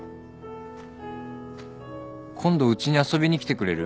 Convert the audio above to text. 今度うちに遊びに来てくれる？